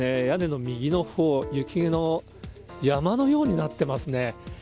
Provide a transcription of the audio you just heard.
屋根の右のほう、雪が山のようになっていますね。